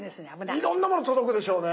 いろんなもの届くでしょうね。